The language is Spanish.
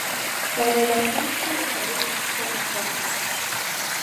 Las relaciones comerciales son escasas.